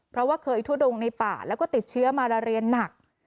เพราะว่าเคยทุดงในป่าแล้วก็ติดเชื้อมาลาเรียนหนัก